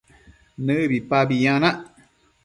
nëbipabi yanac